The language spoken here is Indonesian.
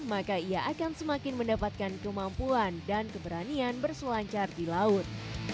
maka ia akan semakin mendapatkan kemampuan dan keberanian berselancar di laut